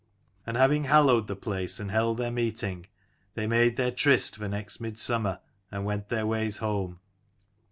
And having hallowed the place and held their meeting, they made their tryst for next midsummer, and went their ways home.